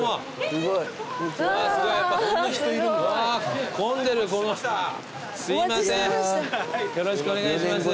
すいません